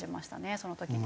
その時に。